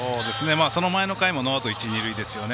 その前の回もノーアウト、一塁二塁ですよね。